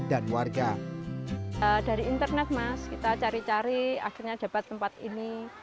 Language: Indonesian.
dari internet mas kita cari cari akhirnya dapat tempat ini